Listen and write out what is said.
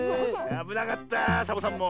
あぶなかったサボさんも。